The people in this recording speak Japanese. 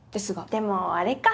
でもあれか。